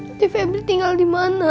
nanti febri tinggal di rumah kang